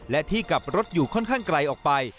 และที่กลับรถอยู่ค่อนข้างไกลออกไป